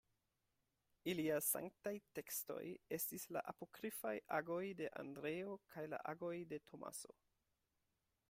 Ilia sanktaj tekstoj estis la apokrifaj Agoj de Andreo kaj la Agoj de Tomaso.